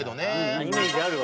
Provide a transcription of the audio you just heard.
イメージあるわ。